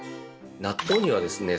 納豆にはですね